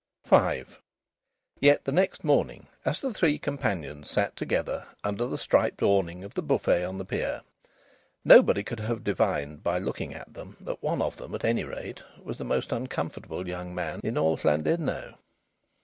V Yet the next morning, as the three companions sat together under the striped awning of the buffet on the pier, nobody could have divined, by looking at them, that one of them at any rate was the most uncomfortable young man in all Llandudno.